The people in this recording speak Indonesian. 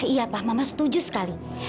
iya pak mama setuju sekali